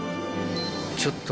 ちょっと。